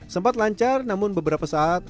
sempat lancar namun beberapa saat